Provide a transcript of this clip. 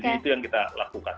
jadi itu yang kita lakukan